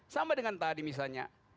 sama dengan tadi misalnya